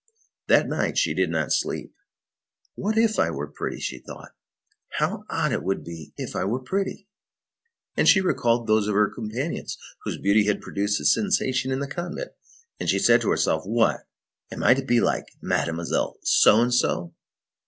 That night, she did not sleep. "What if I were pretty!" she thought. "How odd it would be if I were pretty!" And she recalled those of her companions whose beauty had produced a sensation in the convent, and she said to herself: "What! Am I to be like Mademoiselle So and So?"